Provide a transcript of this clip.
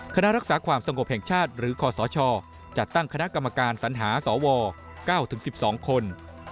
คณะรักษาความสงบแห่งชาติหรือคศจัดตั้งคณะกรรมการสัญหาสว๙๑๒คน